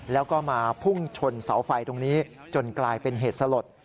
แล้วก็มาพุ่งชนเสาไฟตรงนี้จนกลายเป็นเหตุสลด